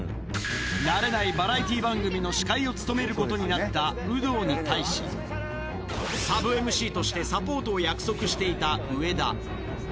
慣れないバラエティー番組の司会を務めることになった有働に対し、サブＭＣとしてサポートを約束していた上田。